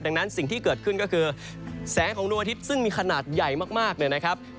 ดังนั้นสิ่งที่เกิดขึ้นก็คือแสงของดวงอาทิตย์ซึ่งมีขนาดใหญ่มากเนี่ยนะครับ